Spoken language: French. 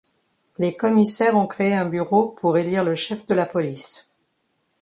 Les commissionnaires ont créé un bureau pour élire le chef de la police.